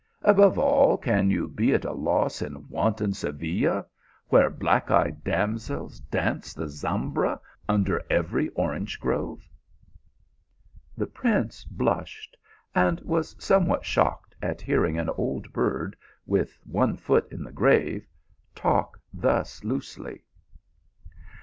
Above all, can you be at a loss in wanton Seville, where black eyed damsels dance the zambra under every orange grove ?" The prince blushed and was somewhat shocked at hearing an old bird, with one foot in the grave, talk thus loosely.